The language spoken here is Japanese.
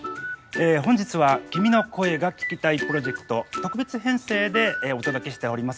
本日は「君の声が聴きたい」プロジェクト特別編成でお届けしております。